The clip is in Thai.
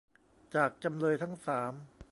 จากจำเลยทั้งสาม